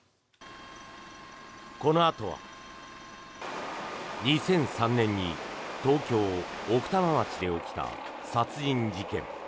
このあとは２００３年に東京・奥多摩町で起きた殺人事件。